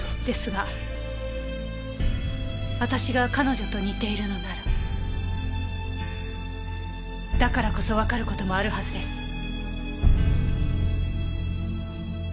ですが私が彼女と似ているのならだからこそわかる事もあるはずです。